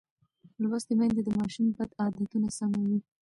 لوستې میندې د ماشوم بد عادتونه سموي.